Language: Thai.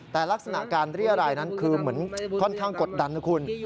แต่ลักษณะการเรียรายนั้นคือเหมือนค่อนข้างกดดันนะคุณ